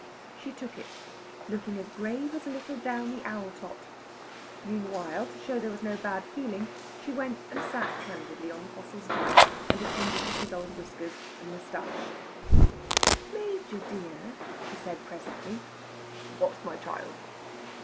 She took it, looking as grave as a little downy owl tot. Meanwhile, to show there was no bad feeling, she went and sat candidly on the fossil's knee, and attended to his old whiskers and moustache. "Major dear!" said she presently. "What, my child?"